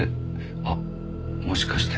あっもしかして。